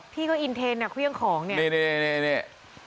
พี่ก็อินเทนเครื่องของเนี่ย